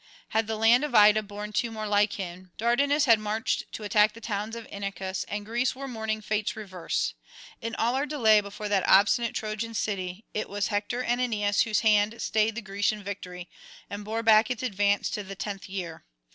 Had the land of Ida borne two more like him, Dardanus had marched to attack the towns of Inachus, and Greece were mourning fate's reverse. In all our delay before that obstinate Trojan city, it was Hector and Aeneas whose hand stayed the Grecian victory and bore back its advance to the tenth year.